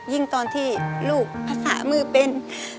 ยิ่งตอนที่ลูกผสมือเป็น